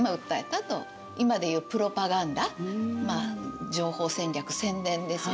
今で言うプロパガンダ情報戦略宣伝ですよね。